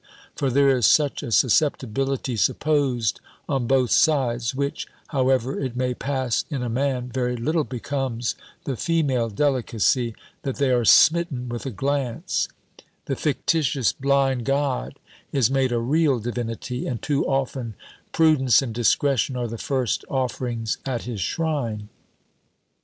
For there is such a susceptibility supposed on both sides (which, however it may pass in a man, very little becomes the female delicacy) that they are smitten with a glance: the fictitious blind god is made a real divinity: and too often prudence and discretion are the first offerings at his shrine."